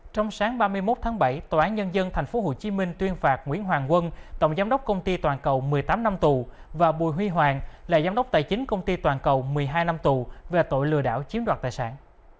trong sáng ba mươi một tháng bảy tòa án nhân dân tp hcm tuyên phạt nguyễn hoàng quân tổng giám đốc công ty toàn cầu một mươi tám năm tù và bùi huy hoàng là giám đốc tài chính công ty toàn cầu một mươi hai năm tù về tội lừa đảo chiếm đoạt tài sản